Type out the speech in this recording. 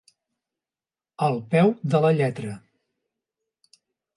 Al peu de la lletra.